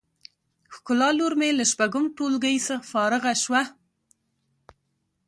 ښکلا لور می له شپږم ټولګی فارغه شوه